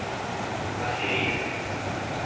Macieira